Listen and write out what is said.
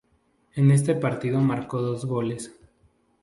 En este partido marcó dos goles.